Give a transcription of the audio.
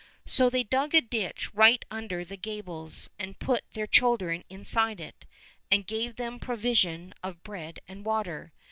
So they dug a ditch right under the gables, and put their children inside it, and gave them provision of bread and water.